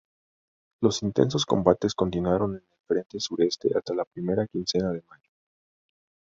Los intensos combates continuaron en el frente sureste hasta la primera quincena de mayo.